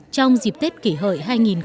trong dịp tết kỷ hợi hai nghìn một mươi chín